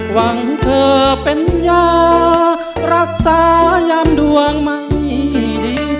หวังเธอเป็นยารักษายามดวงไม่ดี